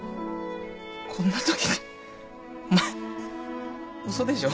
こんなときにお前嘘でしょ？